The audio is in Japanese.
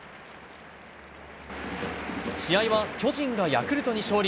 試合は巨人がヤクルトに勝利。